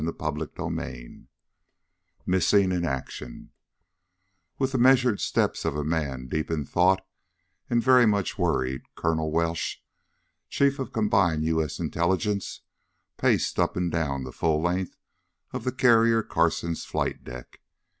CHAPTER FIFTEEN Missing in Action With the measured steps of a man deep in thought, and very much worried, Colonel Welsh, Chief of Combined U. S. Intelligence, paced up and down the full length of the Carrier Carson's flight deck.